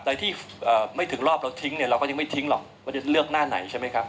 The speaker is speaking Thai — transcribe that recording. แต่ที่ไม่ถึงรอบเราทิ้งเนี่ยเราก็ยังไม่ทิ้งหรอกว่าจะเลือกหน้าไหนใช่ไหมครับ